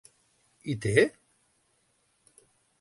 I té??